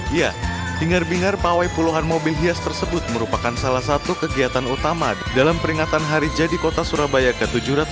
ya bingar bingar pawai puluhan mobil hias tersebut merupakan salah satu kegiatan utama dalam peringatan hari jadi kota surabaya ke tujuh ratus tiga puluh